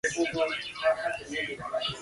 შუა საუკუნეებში მას თავდაცვისთვის იყენებდნენ.